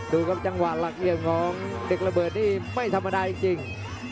ดูครับจังหวะหลักเหลี่ยมของเด็กระเบิดนี่ไม่ธรรมดาจริง